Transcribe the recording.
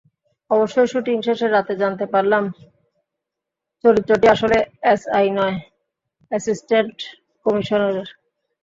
অবশ্য শুটিং শেষে রাতে জানতে পারলাম, চরিত্রটি আসলে এসআই নয়, অ্যাসিস্ট্যান্ট কমিশনারের।